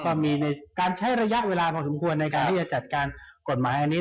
ก็มีการใช้ระยะเวลาพอสมควรในการที่จะจัดการกฎหมายอันนี้